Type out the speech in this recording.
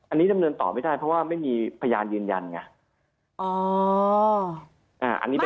อันนี้ดำเนินต่อไม่ได้เพราะว่าไม่มีพยานยืนยันไง